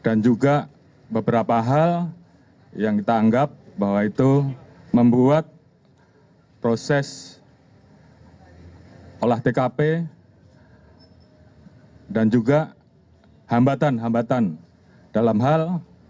dan juga beberapa hal yang kita anggap bahwa itu membuat proses olah tkp dan juga hambatan hambatan dalam hal